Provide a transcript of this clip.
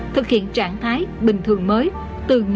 thực hiện trạng thái bình thường mới từ ngày một tháng một mươi